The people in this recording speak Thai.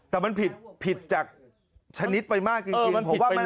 แต่มันผิดจากชนิดไปมากจริง